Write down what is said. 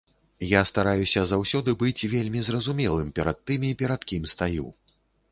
Я стараюся заўсёды быць вельмі зразумелым перад тымі, перад кім стаю.